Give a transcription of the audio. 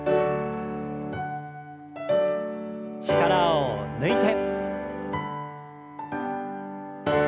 力を抜いて。